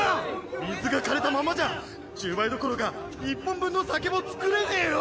水がかれたままじゃ１０倍どころか１本分の酒も造れねぇよ！